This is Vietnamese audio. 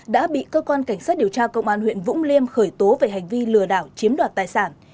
đã bị cơ quan cảnh sát điều tra công an huyện vũng liêm khởi tố về hành vi lừa đảo chiếm đoạt tài sản